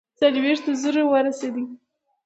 څلوېښتو زرو ورسېدی.